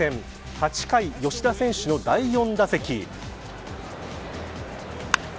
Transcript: ８回、吉田選手の第４打席。